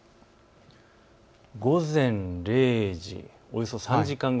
午前０時、およそ３時間後。